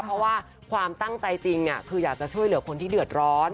เพราะว่าความตั้งใจจริงคืออยากจะช่วยเหลือคนที่เดือดร้อน